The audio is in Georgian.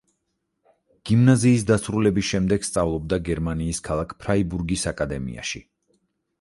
გიმნაზიის დასრულების შემდეგ სწავლობდა გერმანიის ქალაქ ფრაიბურგის აკადემიაში.